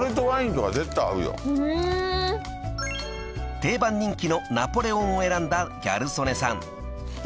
［定番人気のナポレオンを選んだギャル曽根さん］え